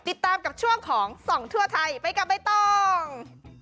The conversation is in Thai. ติดตามกับช่วงของส่องทั่วไทยไปกับใบตอง